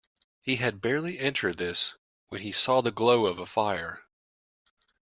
He had barely entered this when he saw the glow of a fire.